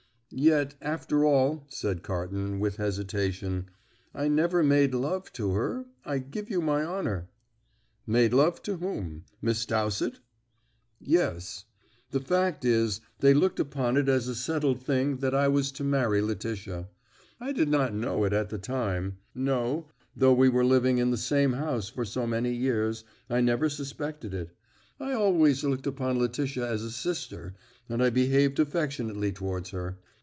"Yet, after all," said Carton, with hesitation, "I never made love to her, I give you my honour." "Made love to whom? Miss Dowsett?" "Yes. The fact is they looked upon it as a settled thing that I was to marry Letitia. I did not know it at the time; no, though we were living in the same house for so many years, I never suspected it. I always looked upon Letitia as a sister, and I behaved affectionately towards her.